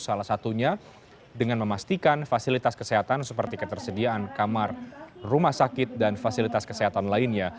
salah satunya dengan memastikan fasilitas kesehatan seperti ketersediaan kamar rumah sakit dan fasilitas kesehatan lainnya